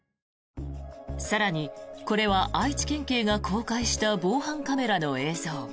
更に、これは愛知県警が公開した防犯カメラの映像。